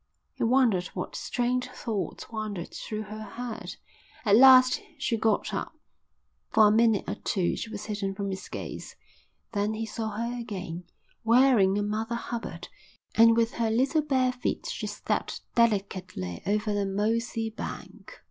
He wondered what strange thoughts wandered through her head. At last she got up, and for a minute or two she was hidden from his gaze; then he saw her again, wearing a Mother Hubbard, and with her little bare feet she stepped delicately over the mossy bank.